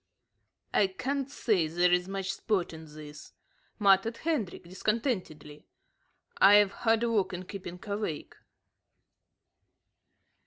"I can't say there's much sport in this," muttered Hendrik, discontentedly. "I've hard work in keeping awake."